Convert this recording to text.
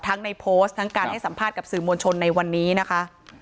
ในโพสต์ทั้งการให้สัมภาษณ์กับสื่อมวลชนในวันนี้นะคะ